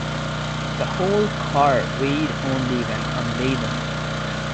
The whole car weighed only when unladen.